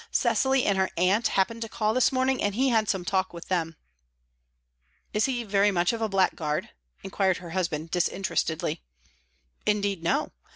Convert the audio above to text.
Cecily and her aunt happened to call this morning, and he had some talk with them." "Is he very much of a blackguard?" inquired her husband, disinterestedly. "Indeed, no.